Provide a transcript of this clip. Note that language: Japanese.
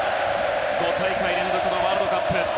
５大会連続のワールドカップ。